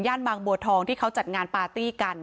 บางบัวทองที่เขาจัดงานปาร์ตี้กัน